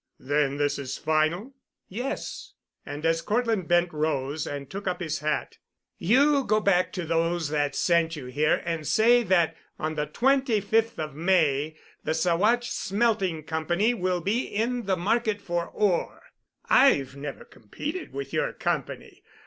"Then this is final?" "Yes." And, as Cortland Bent rose and took up his hat, "You go back to those that sent you here and say that on the twenty fifth of May the Saguache Smelting Company will be in the market for ore. I've never competed with your company.